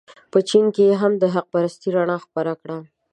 په چین کې یې هم د حق پرستۍ رڼا خپره کړه.